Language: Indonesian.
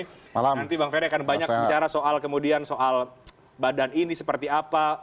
nanti bang ferry akan banyak bicara soal kemudian soal badan ini seperti apa